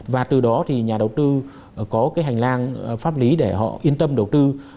và từ đó thì nhà đầu tư có cái hành lang pháp lý để họ yên tâm đầu tư